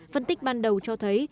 phân tích ban đầu cho thấy